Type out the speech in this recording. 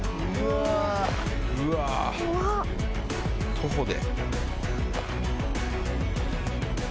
徒歩で。